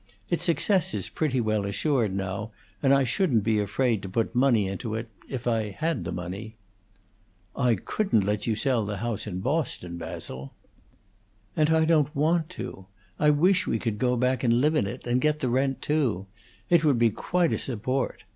Its success is pretty well assured now, and I shouldn't be afraid to put money into it if I had the money." "I couldn't let you sell the house in Boston, Basil!" "And I don't want to. I wish we could go back and live in it and get the rent, too! It would be quite a support.